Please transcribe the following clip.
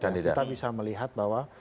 kita bisa melihat bahwa